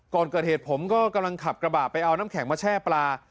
ก่อนเกิดเหตุผมก็กำลังขับกระบะไปเอาน้ำแข็งมาแช่ปลา